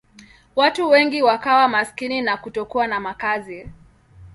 Watu wengi wakawa maskini na kutokuwa na makazi.